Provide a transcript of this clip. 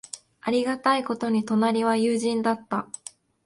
ありがたいことに、隣は友人だった。